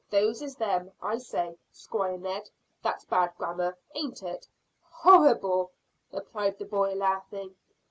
Those is them I say, Squire Ned, that's bad grammar, ain't it?" "Horrible," replied the boy, laughing.